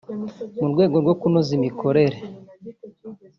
mu rwego rwo kunoza imikorere